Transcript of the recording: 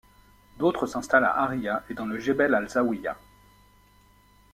D'autres s'installent à Ariha, et dans le Jebel al-Zawiya.